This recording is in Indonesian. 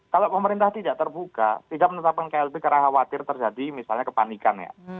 kalau pemerintah tidak terbuka tidak menetapkan klb karena khawatir terjadi misalnya kepanikan ya